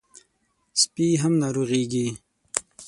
سپي هم ناروغېږي.